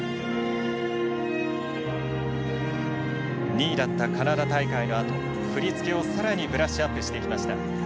２位だったカナダ大会のあと振り付けを更にブラッシュアップしていきました。